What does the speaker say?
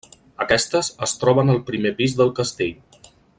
Aquestes es troben al primer pis del castell.